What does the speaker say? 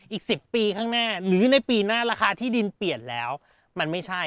อีก๑๐ปีข้างหน้าหรือในปีหน้าราคาที่ดินเปลี่ยนแล้วมันไม่ใช่